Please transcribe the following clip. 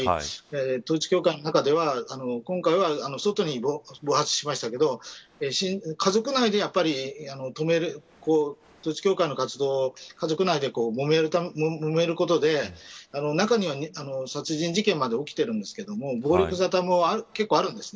統一教会の中では今回は外に暴発しましたけど統一教会の活動を家族内で、もめることで中には、殺人事件まで起きているんですけど暴力ざたも結構あるんです。